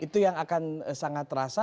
itu yang akan sangat terasa